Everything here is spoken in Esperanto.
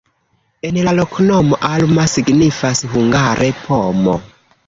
En la loknomo alma signifas hungare: pomo.